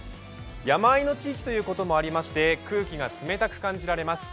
山あいの地域ということもありまして、空気が冷たく感じられます。